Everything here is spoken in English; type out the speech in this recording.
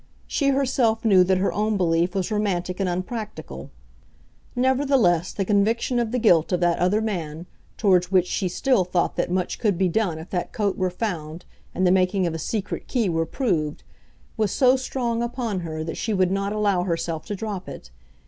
She herself knew that her own belief was romantic and unpractical. Nevertheless, the conviction of the guilt of that other man, towards which she still thought that much could be done if that coat were found and the making of a secret key were proved, was so strong upon her that she would not allow herself to drop it.